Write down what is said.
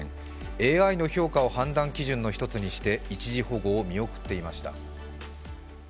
ＡＩの評価を判断基準の一つにして一時保護を見送っていました。